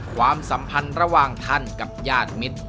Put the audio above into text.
ความสัมพันธ์ระหว่างท่านกับญาติมิตร